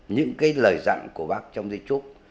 những cái lời dặn của bác trong di trúc